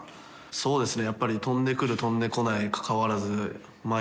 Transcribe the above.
そうですね。